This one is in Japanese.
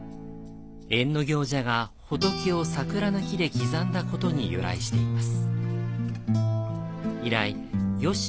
役行者が仏を桜の木で刻んだことに由来しています。